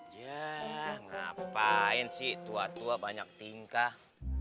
ya ngapain sih tua tua banyak tingkah